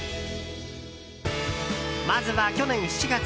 まずは去年７月。